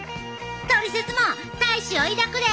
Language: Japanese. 「トリセツ」も大志を抱くで！